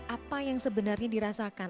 apa yang sebenarnya dirasakan